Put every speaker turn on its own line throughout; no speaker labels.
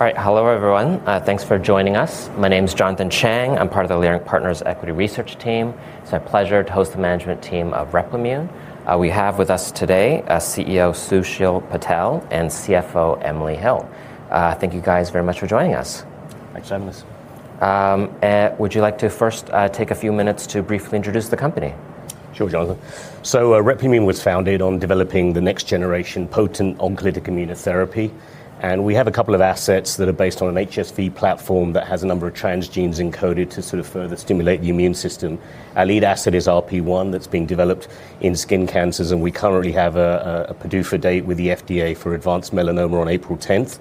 All right. Hello, everyone. Thanks for joining us. My name is Jonathan Chang. I'm part of the Leerink Partners Equity Research team. It's my pleasure to host the management team of Replimune. We have with us today, CEO Sushil Patel and CFO Emily Hill. Thank you guys very much for joining us.
Thanks for having us.
Would you like to first take a few minutes to briefly introduce the company?
Sure, Jonathan. Replimune was founded on developing the next generation potent oncolytic immunotherapy. We have a couple of assets that are based on an HSV platform that has a number of transgenes encoded to sort of further stimulate the immune system. Our lead asset is RP1 that's being developed in skin cancers, and we currently have a PDUFA date with the FDA for advanced melanoma on April 10th.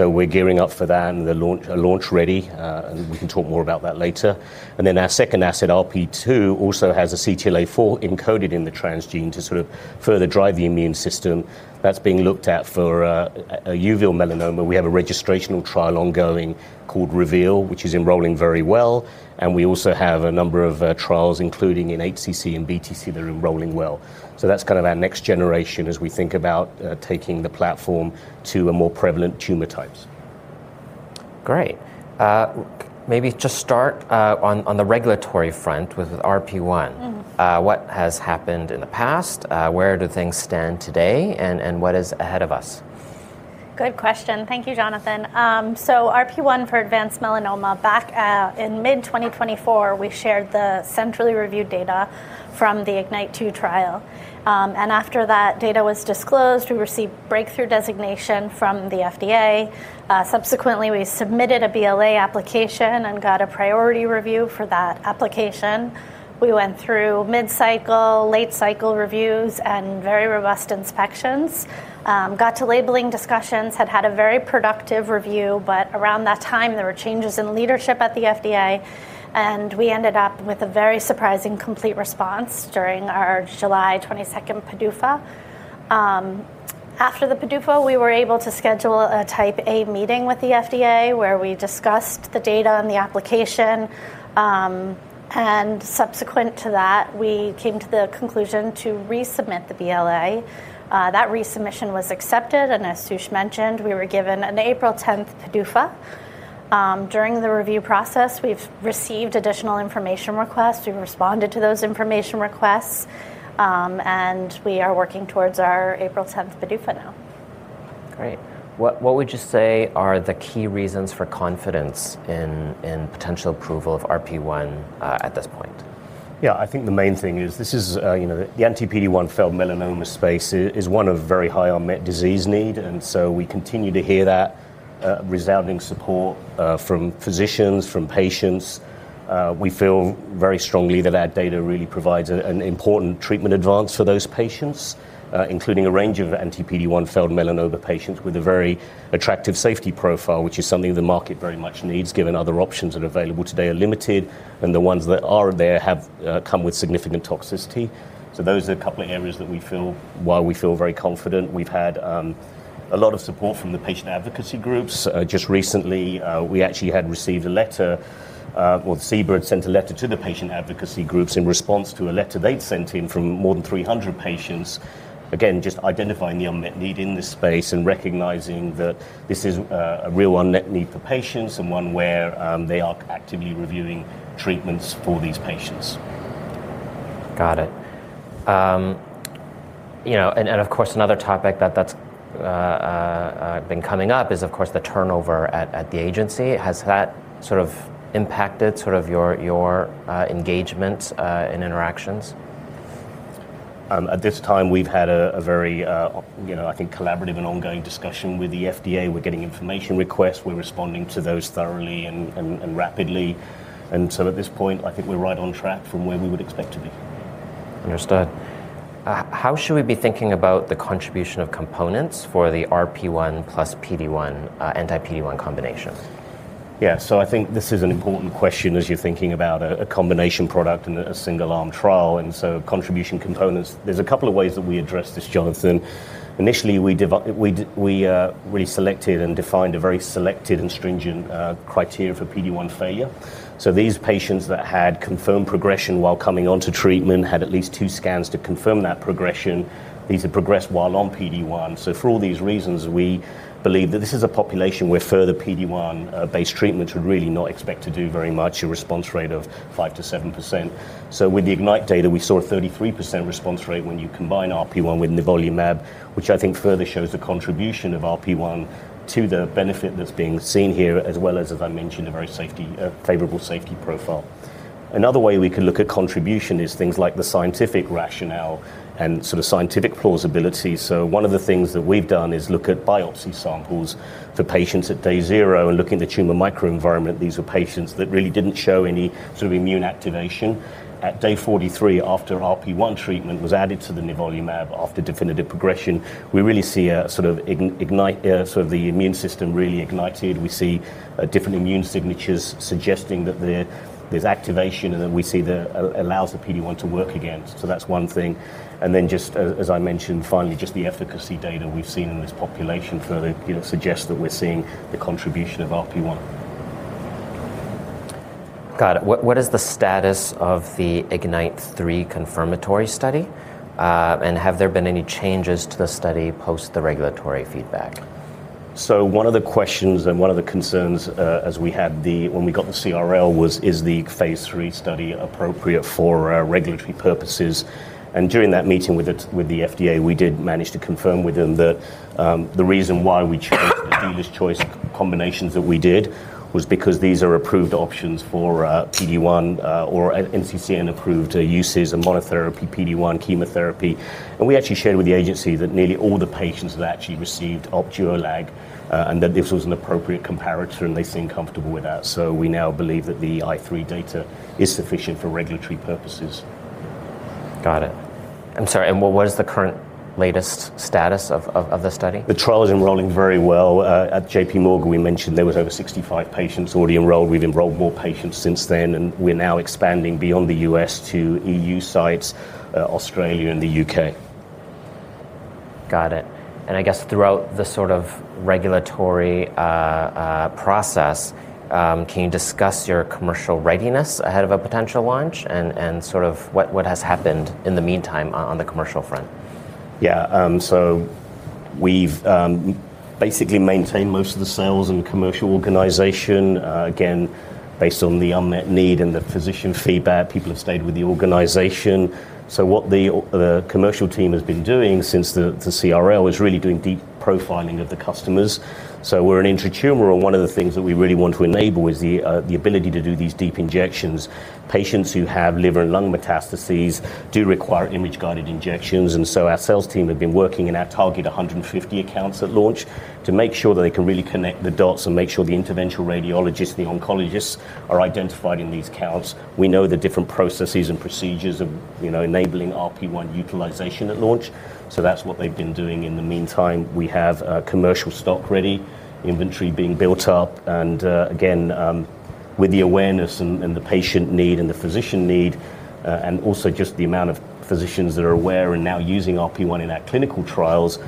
We're gearing up for that and are launch ready, and we can talk more about that later. Our second asset, RP2, also has a CTLA-4 encoded in the transgene to sort of further drive the immune system. That's being looked at for a uveal melanoma. We have a registrational trial ongoing called REVEAL, which is enrolling very well. We also have a number of trials, including in HCC and BTC that are enrolling well. That's kind of our next generation as we think about taking the platform to a more prevalent tumor types.
Great. maybe just start on the regulatory front with RP1. What has happened in the past, where do things stand today, and what is ahead of us?
Good question. Thank you, Jonathan. RP1 for advanced melanoma, back in mid-2024, we shared the centrally reviewed data from the IGNYTE-2 trial. After that data was disclosed, we received Breakthrough Therapy designation from the FDA. Subsequently, we submitted a BLA application and got a priority review for that application. We went through mid-cycle, late-cycle reviews, and very robust inspections. Got to labeling discussions, had a very productive review, but around that time, there were changes in leadership at the FDA, and we ended up with a very surprising complete response during our July 22nd PDUFA. After the PDUFA, we were able to schedule a Type A meeting with the FDA, where we discussed the data and the application. Subsequent to that, we came to the conclusion to resubmit the BLA. That resubmission was accepted, and as Sush mentioned, we were given an April 10th PDUFA. During the review process, we've received additional information requests. We've responded to those information requests, and we are working towards our April 10th PDUFA now.
Great. What would you say are the key reasons for confidence in potential approval of RP1 at this point?
Yeah. I think the main thing is this is, you know, the anti-PD-1 failed melanoma space is one of very high unmet disease need. We continue to hear that resounding support from physicians, from patients. We feel very strongly that our data really provides an important treatment advance for those patients, including a range of anti-PD-1 failed melanoma patients with a very attractive safety profile, which is something the market very much needs, given other options that are available today are limited, and the ones that are there have come with significant toxicity. Those are a couple of areas why we feel very confident. We've had a lot of support from the patient advocacy groups. just recently, we actually had received a letter, well, CBER had sent a letter to the patient advocacy groups in response to a letter they'd sent in from more than 300 patients, again, just identifying the unmet need in this space and recognizing that this is a real unmet need for patients and one where they are actively reviewing treatments for these patients.
Got it. You know, of course, another topic that's been coming up is of course the turnover at the Agency. Has that sort of impacted sort of your engagement and interactions?
At this time, we've had a very, you know, I think collaborative and ongoing discussion with the FDA. We're getting information requests. We're responding to those thoroughly and rapidly. At this point, I think we're right on track from where we would expect to be.
Understood. How should we be thinking about the contribution of components for the RP1 plus PD-1, anti-PD-1 combination?
I think this is an important question as you're thinking about a combination product and a single-arm trial. Contribution components. There's a couple of ways that we address this, Jonathan. Initially, we selected and defined a very selected and stringent criteria for PD-1 failure. These patients that had confirmed progression while coming onto treatment had at least two scans to confirm that progression. These had progressed while on PD-1. For all these reasons, we believe that this is a population where further PD-1 based treatment would really not expect to do very much, a response rate of 5%-7%. With the IGNYTE data, we saw a 33% response rate when you combine RP1 with nivolumab, which I think further shows the contribution of RP1 to the benefit that's being seen here, as well as I mentioned, a very favorable safety profile. Another way we could look at contribution is things like the scientific rationale and sort of scientific plausibility. One of the things that we've done is look at biopsy samples for patients at day zero and look in the tumor microenvironment. These are patients that really didn't show any sort of immune activation. At day 43, after RP1 treatment was added to the nivolumab after definitive progression, we really see a sort of the immune system really ignited. We see different immune signatures suggesting that there's activation, and then we see allows the PD-1 to work against. That's one thing. Just as I mentioned, finally, just the efficacy data we've seen in this population further, you know, suggests that we're seeing the contribution of RP1.
Got it. What, what is the status of the IGNYTE-3 confirmatory study, and have there been any changes to the study post the regulatory feedback?
One of the questions and one of the concerns, when we got the CRL was, is the phase III study appropriate for regulatory purposes? During that meeting with the FDA, we did manage to confirm with them that the reason why we chose the dealer's choice combinations that we did was because these are approved options for PD-1, or at NCCN-approved uses in monotherapy, PD-1, chemotherapy. We actually shared with the agency that nearly all the patients had actually received Opdualag, and that this was an appropriate comparator, and they seem comfortable with that. We now believe that the I-3 data is sufficient for regulatory purposes.
Got it. I'm sorry, and what is the current latest status of the study?
The trial is enrolling very well. At JPMorgan, we mentioned there was over 65 patients already enrolled. We've enrolled more patients since then, and we're now expanding beyond the U.S. to EU sites, Australia and the U.K.
Got it. I guess throughout the sort of regulatory process, can you discuss your commercial readiness ahead of a potential launch and sort of what has happened in the meantime on the commercial front?
Yeah. We've basically maintained most of the sales and commercial organization, again, based on the unmet need and the physician feedback. People have stayed with the organization. What the commercial team has been doing since the CRL is really doing deep profiling of the customers. We're an intratumoral. One of the things that we really want to enable is the ability to do these deep injections. Patients who have liver and lung metastases do require image-guided injections. Our sales team have been working in our target 150 accounts at launch to make sure that they can really connect the dots and make sure the interventional radiologists, the oncologists are identified in these counts. We know the different processes and procedures of, you know, enabling RP1 utilization at launch. That's what they've been doing in the meantime. We have commercial stock ready, inventory being built up, again, with the awareness and the patient need and the physician need. Also just the amount of physicians that are aware and now using RP1 in our clinical trials,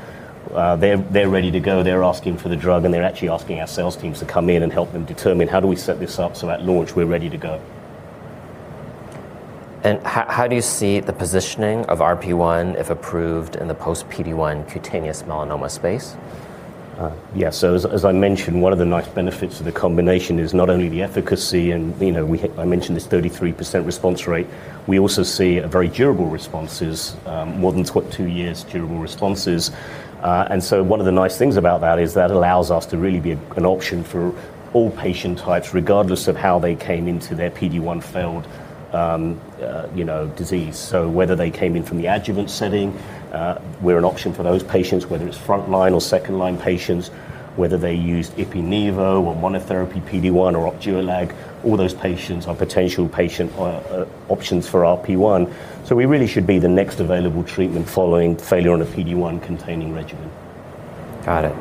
they're ready to go. They're asking for the drug. They're actually asking our sales teams to come in and help them determine how do we set this up so at launch we're ready to go.
How do you see the positioning of RP1, if approved, in the post-PD-1 cutaneous melanoma space?
Yeah, as I mentioned, one of the nice benefits of the combination is not only the efficacy and, you know, I mentioned this 33% response rate. We also see very durable responses, more than sort two years durable responses. One of the nice things about that is that allows us to really be an option for all patient types regardless of how they came into their PD-1 failed, you know, disease. Whether they came in from the adjuvant setting, we're an option for those patients, whether it's front line or second line patients, whether they used Ipi/nivo or monotherapy PD-1 or Opdualag, all those patients are potential options for RP1. We really should be the next available treatment following failure on a PD-1 containing regimen.
Got it.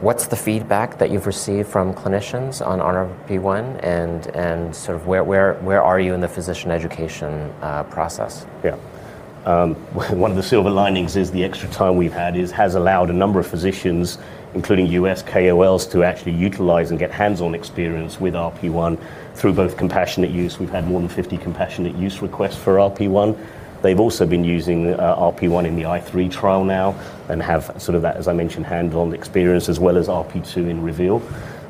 What's the feedback that you've received from clinicians on RP1 and sort of where are you in the physician education process?
One of the silver linings is the extra time we've had has allowed a number of physicians, including U.S. KOLs, to actually utilize and get hands-on experience with RP1 through both compassionate use. We've had more than 50 compassionate use requests for RP1. They've also been using RP1 in the I-3 trial now and have sort of that, as I mentioned, hands-on experience as well as RP2 in REVEAL.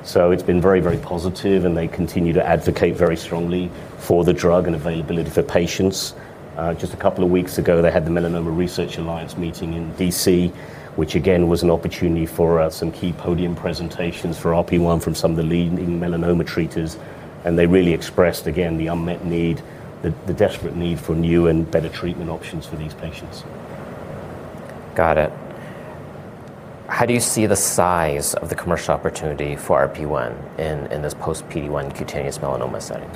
It's been very, very positive, and they continue to advocate very strongly for the drug and availability for patients. Just a couple of weeks ago, they had the Melanoma Research Alliance meeting in D.C. which, again, was an opportunity for some key podium presentations for RP1 from some of the leading melanoma treaters, and they really expressed again the unmet need, the desperate need for new and better treatment options for these patients.
Got it. How do you see the size of the commercial opportunity for RP1 in this post-PD-1 cutaneous melanoma setting?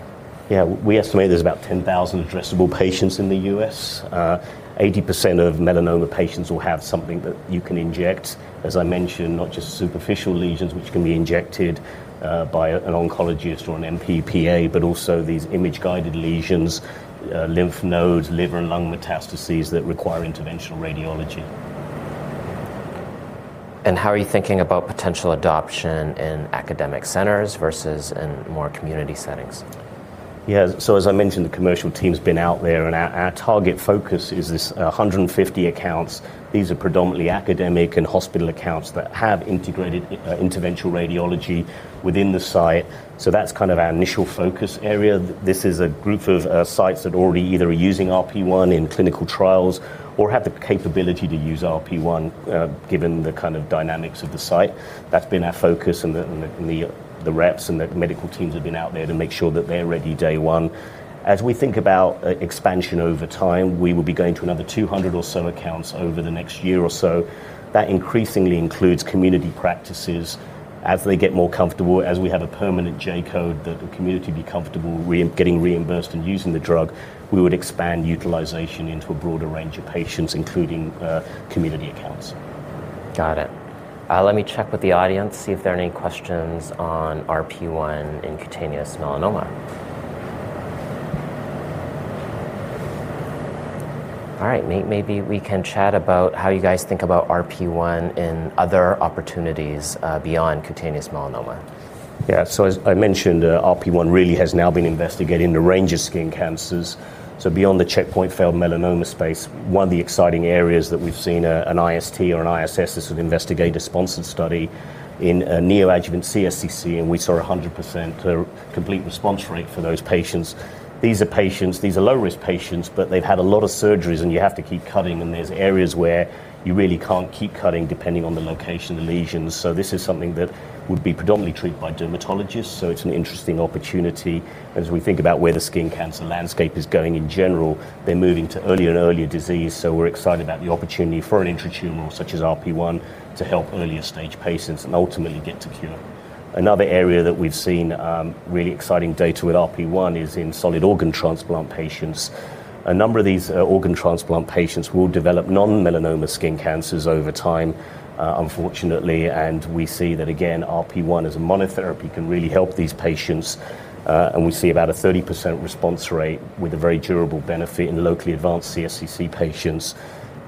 Yeah. We estimate there's about 10,000 addressable patients in the U.S. 80% of melanoma patients will have something that you can inject, as I mentioned, not just superficial lesions which can be injected, by an oncologist or an NP/PA, but also these image-guided lesions, lymph nodes, liver and lung metastases that require interventional radiology.
How are you thinking about potential adoption in academic centers versus in more community settings?
Yeah. As I mentioned, the commercial team's been out there, and our target focus is this 150 accounts. These are predominantly academic and hospital accounts that have integrated interventional radiology within the site. That's kind of our initial focus area. This is a group of sites that already either are using RP1 in clinical trials or have the capability to use RP1 given the kind of dynamics of the site. That's been our focus, and the reps and the medical teams have been out there to make sure that they're ready day one. As we think about expansion over time, we will be going to another 200 or so accounts over the next year or so. That increasingly includes community practices. As they get more comfortable, as we have a permanent J code that the community be comfortable getting reimbursed and using the drug, we would expand utilization into a broader range of patients, including community accounts.
Got it. Let me check with the audience, see if there are any questions on RP1 in cutaneous melanoma. All right. Maybe we can chat about how you guys think about RP1 and other opportunities beyond cutaneous melanoma.
As I mentioned, RP1 really has now been investigated in a range of skin cancers. Beyond the checkpoint failed melanoma space, one of the exciting areas that we've seen an IST or an ISS, this is investigator-sponsored study, in a neoadjuvant CSCC. We saw 100% complete response rate for those patients. These are patients, these are low-risk patients, but they've had a lot of surgeries. You have to keep cutting. There's areas where you really can't keep cutting depending on the location of the lesions. This is something that would be predominantly treated by dermatologists, so it's an interesting opportunity. As we think about where the skin cancer landscape is going in general, they're moving to earlier and earlier disease. We're excited about the opportunity for an intratumoral such as RP1 to help earlier stage patients and ultimately get to cure. Another area that we've seen really exciting data with RP1 is in solid organ transplant patients. A number of these organ transplant patients will develop non-melanoma skin cancers over time, unfortunately. We see that again, RP1 as a monotherapy can really help these patients. We see about a 30% response rate with a very durable benefit in locally advanced CSCC patients.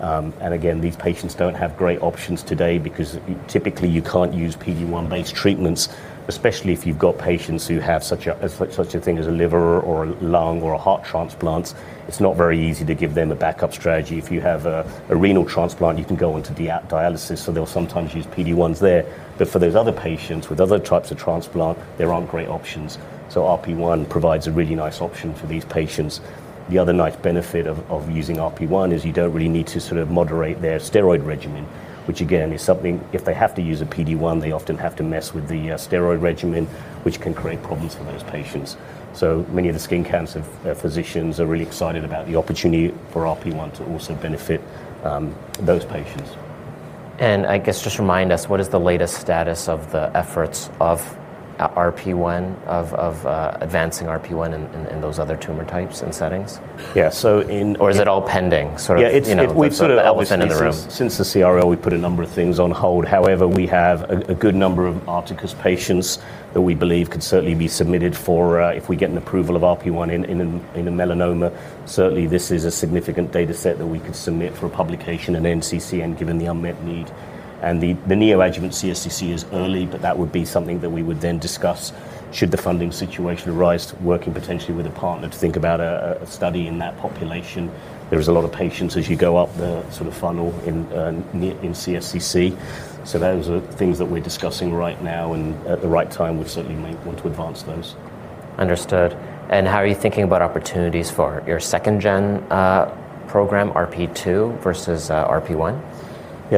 Again, these patients don't have great options today because typically you can't use PD-1-based treatments, especially if you've got patients who have such a thing as a liver or a lung or a heart transplants. It's not very easy to give them a backup strategy. If you have a renal transplant, you can go onto dialysis, so they'll sometimes use PD-1s there. For those other patients with other types of transplant, there aren't great options. RP1 provides a really nice option for these patients. The other nice benefit of using RP1 is you don't really need to sort of moderate their steroid regimen, which again, is something if they have to use a PD-1, they often have to mess with the steroid regimen, which can create problems for those patients. Many of the skin cancer physicians are really excited about the opportunity for RP1 to also benefit those patients.
I guess just remind us, what is the latest status of the efforts of RP1, advancing RP1 in those other tumor types and settings?
Yeah.
Is it all pending, sort of, you know, sort of elephant in the room.
Since the CRL, we've put a number of things on hold. We have a good number of ARTACUS patients that we believe could certainly be submitted for if we get an approval of RP1 in melanoma. This is a significant dataset that we could submit for a publication at NCCN and given the unmet need. The neoadjuvant CSCC is early, but that would be something that we would then discuss should the funding situation arise, working potentially with a partner to think about a study in that population. There is a lot of patients as you go up the sort of funnel in CSCC. Those are things that we're discussing right now, and at the right time, we certainly may want to advance those.
Understood. How are you thinking about opportunities for your second gen program, RP2, versus RP1?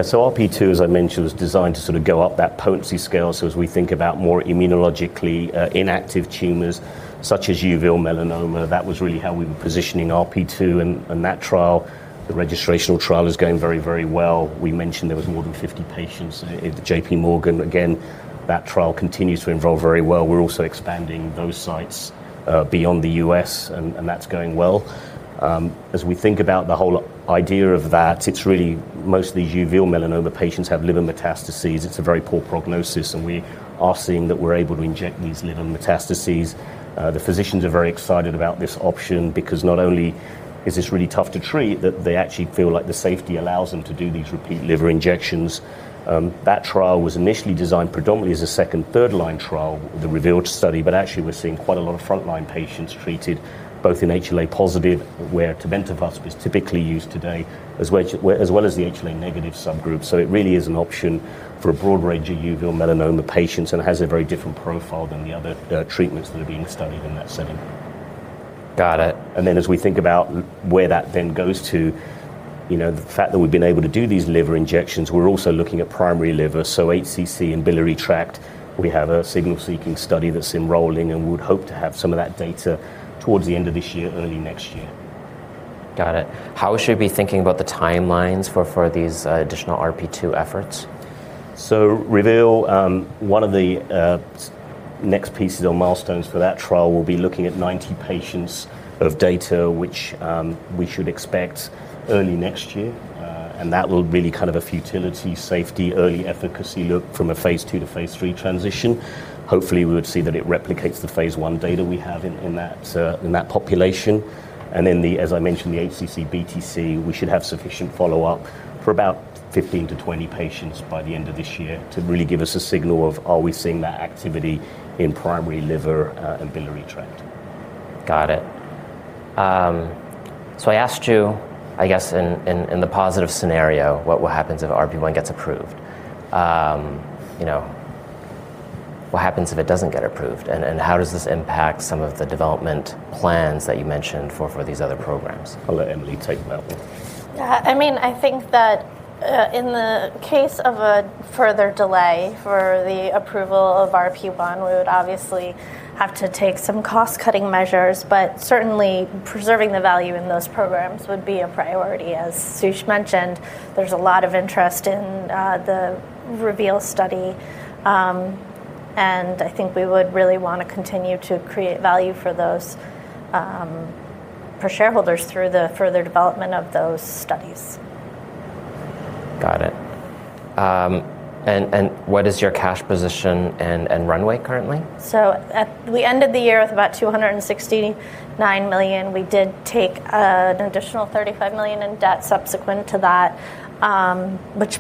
RP2, as I mentioned, was designed to sort of go up that potency scale. As we think about more immunologically inactive tumors, such as uveal melanoma, that was really how we were positioning RP2. That trial, the registrational trial, is going very, very well. We mentioned there was more than 50 patients. JPMorgan, again, that trial continues to enroll very well. We're also expanding those sites beyond the U.S., and that's going well. As we think about the whole idea of that, it's really mostly uveal melanoma patients have liver metastases. It's a very poor prognosis, and we are seeing that we're able to inject these liver metastases. The physicians are very excited about this option because not only is this really tough to treat, that they actually feel like the safety allows them to do these repeat liver injections. That trial was initially designed predominantly as a second, third-line trial with the REVEAL study, actually we're seeing quite a lot of front-line patients treated both in HLA positive, where tebentafusp is typically used today, as well as the HLA negative subgroup. It really is an option for a broad range of uveal melanoma patients and has a very different profile than the other treatments that are being studied in that setting.
Got it.
As we think about where that then goes to, you know, the fact that we've been able to do these liver injections, we're also looking at primary liver, so HCC and biliary tract. We have a signal-seeking study that's enrolling, and we would hope to have some of that data towards the end of this year, early next year.
Got it. How should we be thinking about the timelines for these additional RP2 efforts?
REVEAL, one of the next pieces or milestones for that trial will be looking at 90 patients of data which, we should expect early next year. That will really kind of a futility, safety, early efficacy look from a phase II to phase III transition. Hopefully, we would see that it replicates the phase I data we have in that population. In the, as I mentioned, the HCC/BTC, we should have sufficient follow-up for about 15-20 patients by the end of this year to really give us a signal of are we seeing that activity in primary liver, and biliary tract.
Got it. I asked you, I guess in the positive scenario, what will happens if RP1 gets approved? You know, what happens if it doesn't get approved? How does this impact some of the development plans that you mentioned for these other programs?
I'll let Emily take that one.
Yeah. I mean, I think that, in the case of a further delay for the approval of RP1, we would obviously have to take some cost-cutting measures, but certainly preserving the value in those programs would be a priority. As Sush mentioned, there's a lot of interest in, the REVEAL study. I think we would really wanna continue to create value for those, for shareholders through the further development of those studies.
Got it. What is your cash position and runway currently?
We ended the year with about $269 million. We did take an additional $35 million in debt subsequent to that, which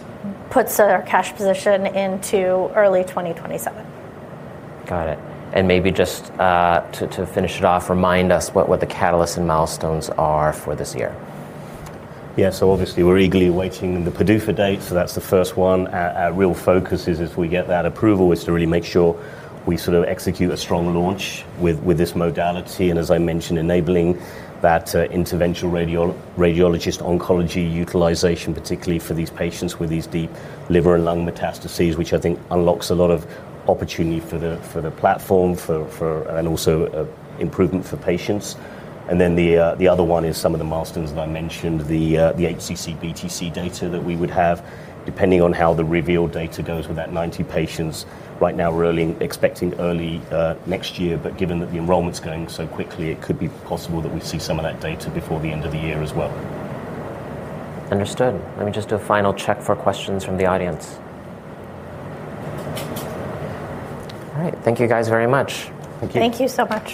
puts our cash position into early 2027.
Got it. maybe just, to finish it off, remind us what the catalyst and milestones are for this year?
Obviously, we're eagerly awaiting the PDUFA date. That's the first one. Our real focus is if we get that approval is to really make sure we sort of execute a strong launch with this modality, and as I mentioned, enabling that interventional radiologist oncology utilization, particularly for these patients with these deep liver and lung metastases, which I think unlocks a lot of opportunity for the platform, and also improvement for patients. The other one is some of the milestones that I mentioned, the HCC/BTC data that we would have, depending on how the REVEAL data goes with that 90 patients. Right now, we're expecting early, next year, but given that the enrollment's going so quickly, it could be possible that we see some of that data before the end of the year as well.
Understood. Let me just do a final check for questions from the audience. All right. Thank you guys very much.
Thank you.
Thank you so much.